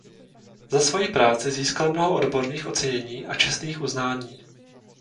Za svoji práci získal mnoho odborných ocenění a čestných uznání.